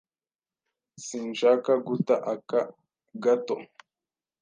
Sinshaka guta aka gato.